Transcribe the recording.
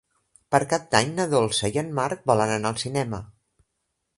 Per Cap d'Any na Dolça i en Marc volen anar al cinema.